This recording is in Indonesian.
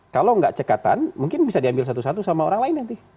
kalau nggak cekatan mungkin bisa diambil satu satu sama orang lain nanti